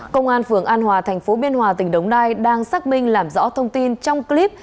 công an phường an hòa thành phố biên hòa tỉnh đồng nai đang xác minh làm rõ thông tin trong clip